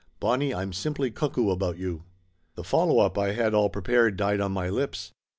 "Bonnie, I'm simply cuckoo about you!" The follow up I had all prepared died on my lips.